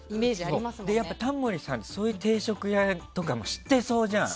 やっぱりタモリさんってそういう定食屋とかも知ってそうじゃん。